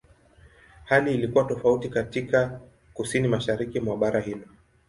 Hali ilikuwa tofauti katika Kusini-Mashariki mwa bara hilo.